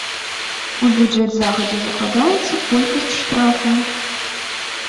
У бюджэт загадзя закладаецца колькасць штрафаў.